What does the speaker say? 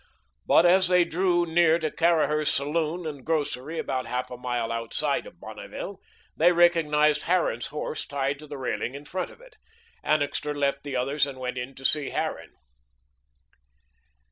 But as they drew near to Caraher's saloon and grocery, about half a mile outside of Bonneville, they recognised Harran's horse tied to the railing in front of it. Annixter left the others and went in to see Harran.